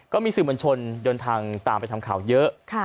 ก็มีสื่อมวลชนเดินทางตามไปทำข่าวเยอะ